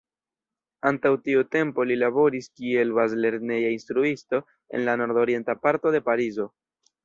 Antaŭ tiu tempo li laboris kiel bazlerneja instruisto en la nordorienta parto de Parizo.